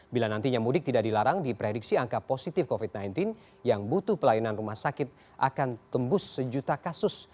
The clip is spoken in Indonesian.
bila nantinya mudik tidak dilarang diprediksi angka positif covid sembilan belas yang butuh pelayanan rumah sakit akan tembus sejuta kasus